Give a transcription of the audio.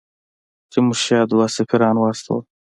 تیمورشاه دوه سفیران واستول.